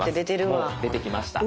もう出てきました。